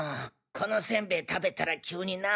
このせんべい食べたら急にな。